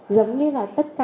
giống như là tất cả các em